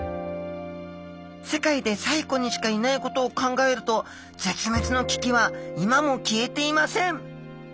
世界で西湖にしかいないことを考えると絶滅の危機は今も消えていません。